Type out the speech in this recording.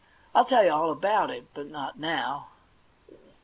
I'll tell you all about it, but not now.